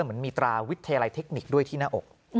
เหมือนมีตราวิทยาลัยเทคนิคด้วยที่หน้าอก